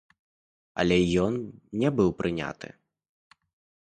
Але ён не быў прыняты.